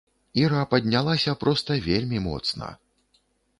Іра паднялася проста вельмі моцна.